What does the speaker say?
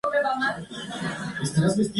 Rodado en menos de un día.